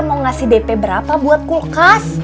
mau ngasih dp berapa buat kulkas